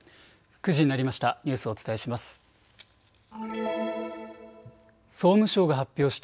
９時になりました。